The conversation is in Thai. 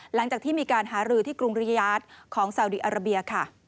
หลังจากที่มีการหารือที่กรุงริยาทของสาวดีอาราเบียค่ะ